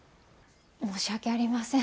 申し訳ありません。